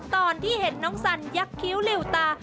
ตอนที่เห็นน้องสันยักษิ้วหลิวตา